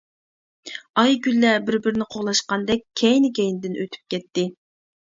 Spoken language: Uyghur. ئاي-كۈنلەر بىر-بىرىنى قوغلاشقاندەك كەينى-كەينىدىن ئۆتۈپ كەتتى.